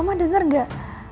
mama denger gak